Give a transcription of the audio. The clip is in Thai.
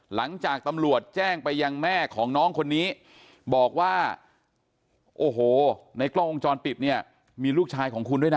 หลังจากตำรวจแจ้งไปยังแม่ของน้องคนนี้บอกว่าโอ้โหในกล้องวงจรปิดเนี่ยมีลูกชายของคุณด้วยนะ